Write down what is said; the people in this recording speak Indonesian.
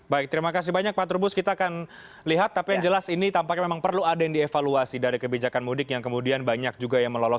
baik terima kasih banyak pak trubus kita akan lihat tapi yang jelas ini tampaknya memang perlu ada yang dievaluasi dari kebijakan mudik yang kemudian banyak juga yang melolos